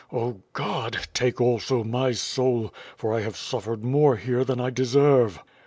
"Oh God! take also my soul, for T have suffered more here than I deserve.